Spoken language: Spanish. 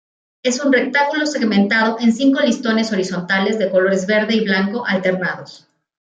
Es un rectángulo segmentado en cinco listones horizontales de colores verde y blanco alternados.